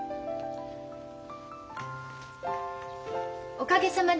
おかげさまで。